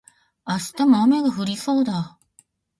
明日も雨が降りそうだ